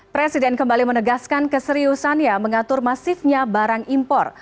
presiden kembali menegaskan keseriusannya mengatur masifnya barang impor